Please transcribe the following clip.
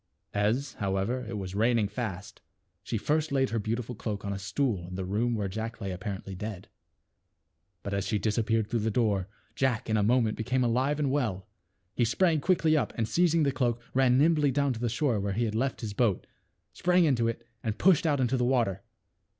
As, however, it was raining fast, she first laid her beautiful cloak on a stool in the room where Jack lay apparently dead. But as she disappeared through the door Jack in a moment became alive 252 THE WITCH'S TREASURES. and well. He sprang quickly up and seizing the cloak ran nimbly down to the shore where he had left his boat, sprang into it and pushed out into the water.